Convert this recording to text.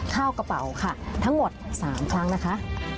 เข้ากระเป๋าค่ะทั้งหมด๓ครั้งนะคะ